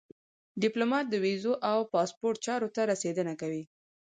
ډيپلومات د ویزو او پاسپورټ چارو ته رسېدنه کوي.